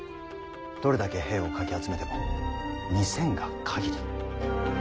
どれだけ兵をかき集めても２，０００が限り。